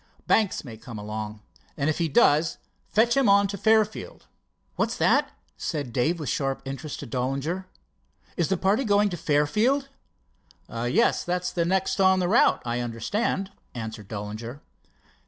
"Banks may come along. If he does, fetch him on to Fairfield." "What's that!" said Dave with sharp interest to Dollinger. "Is the party going to Fairfield?" "Yes, that's next on the route, I understand," answered Dollinger.